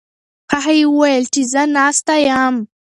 هغې وویل چې زه ناسته یم.